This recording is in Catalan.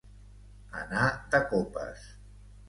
Anar de copes.